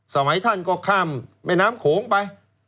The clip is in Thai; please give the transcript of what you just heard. สมัยท่านก็ข้ามแม่น้ำโขงไป